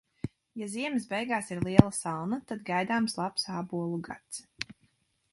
Ja ziemas beigās ir liela salna, tad gaidāms labs ābolu gads.